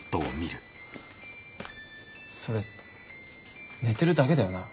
それ寝てるだけだよな？